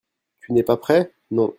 Tu n'es pas prêt ? Non.